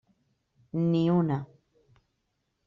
Ni una.